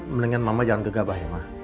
mendingan mama jangan gegah ya pak